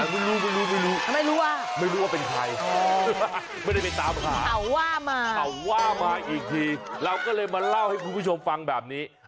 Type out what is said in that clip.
ไม่รู้ไม่รู้ไม่รู้ว่าเป็นใครไม่ได้ไปตามหาเขาว่ามาเขาว่ามาอีกทีเราก็เลยมาเล่าให้คุณผู้ชมฟังแบบนี้